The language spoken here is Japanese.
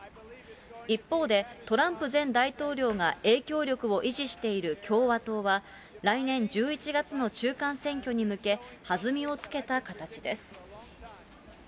一方で、トランプ前大統領が影響力を維持している共和党は、来年１１月の中間選挙に向け、弾みをつけた形です。